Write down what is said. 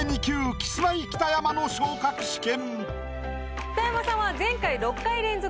キスマイ北山の昇格試験。